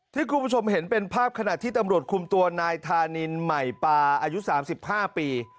คุณผู้ชมเห็นเป็นภาพขณะที่ตำรวจคุมตัวนายธานินใหม่ปาอายุ๓๕ปี